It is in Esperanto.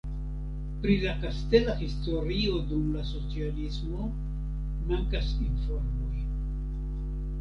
Pri la kastela historio dum la socialismo mankas informoj.